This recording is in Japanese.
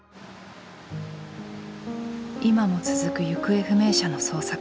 今も続く行方不明者の捜索。